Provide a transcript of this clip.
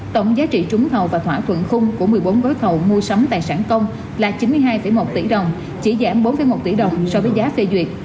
tổng giá trị trúng thầu và thỏa thuận khung của một mươi bốn gói thầu mua sắm tài sản công là chín mươi hai một tỷ đồng chỉ giảm bốn một tỷ đồng so với giá phê duyệt